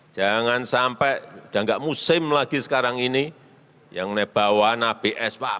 jangan sampai sudah tidak musim lagi sekarang ini yang ini bahwa ini bs pak